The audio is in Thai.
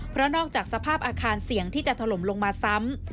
เพราะนอกจากสภาพอาคารเสี่ยงที่จะถล่มลงมาซ้ำ